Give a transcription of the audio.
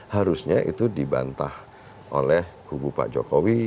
harusnya itu dibantah oleh kubu pak jokowi